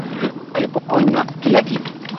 Alipokonywa kila kitu